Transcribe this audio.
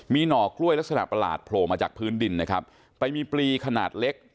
มีหน่อกล้วยลักษณะประหลาดโผล่มาจากพื้นดินนะครับไปมีปลีขนาดเล็ก